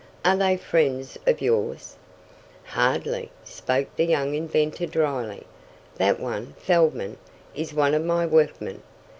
"Are they friends of yours?" "Hardly," spoke the young inventor dryly. "That one, Feldman, is one of my workmen.